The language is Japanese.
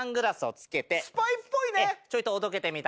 スパイっぽいね。